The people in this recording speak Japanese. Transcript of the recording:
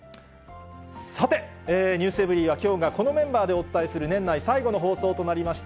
さて、ｎｅｗｓｅｖｅｒｙ．はきょうがこのメンバーでお伝えする年内最後の放送となりました。